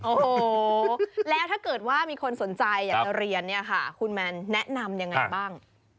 โอ้โหแล้วถ้าเกิดว่ามีคนสนใจอยากจะเรียนเนี่ยค่ะคุณแมนแนะนำยังไงบ้าง